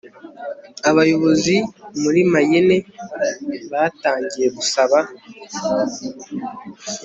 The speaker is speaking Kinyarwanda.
abayobozi muri mayenne batangiye gusaba